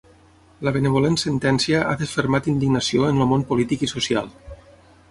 La benevolent sentència ha desfermat indignació en el món polític i social.